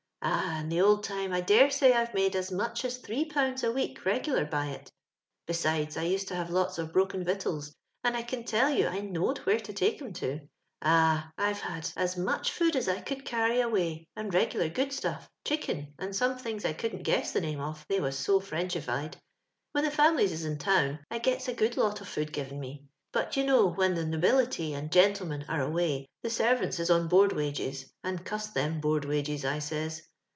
Ah 1 in the old time I dare say I've made as much as 3/. a week reg'lar by it Besides, I used to have lots of broken vittals, and I can tell you I know'd where to take *em to. Ah 1 I've had as much food as I could carry away, and reg'lar good stuff — chicken, and some things I couldn't guess the name of, they was so Frenchified. When the fam'lies is in town I gets a good lot of food given me, but you know when the nobility and gentlemen are away the servants is on board wages, and cuss them board wages, I says.